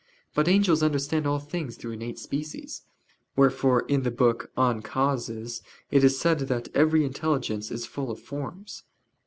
But angels understand all things through innate species: wherefore in the book De Causis it is said that "every intelligence is full of forms."